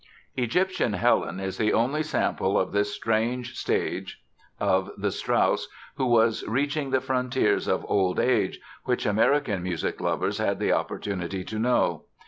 Egyptian Helen is the only sample of this strange stage of the Strauss who was reaching the frontiers of old age which American music lovers had the opportunity to know.